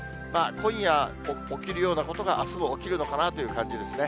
今夜起きるようなことが、あすも起きるのかなという感じですね。